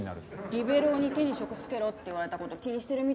リベロウに「手に職つけろ」って言われた事気にしてるみたいだったね。